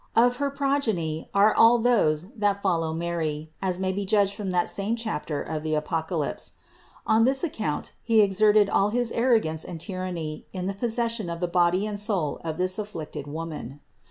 Of her progeny are all those that follow Mary, as may be judged from that same chapter of the Apocalypse. On this account he exerted all his arrogance and tyranny in the possession of the body and soul of this afflicted woman.